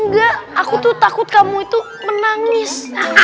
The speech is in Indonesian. enggak aku tuh takut kamu itu menangis